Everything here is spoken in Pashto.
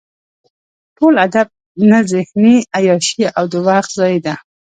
ټول ادب نه ذهني عیاشي او د وخت ضایع ده.